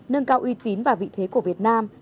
nâng cao uy tín và vị thế của việt nam